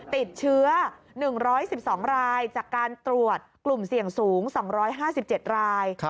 ติดเชื้อ๑๑๒รายจากการตรวจกลุ่มเสี่ยงสูง๒๕๗ราย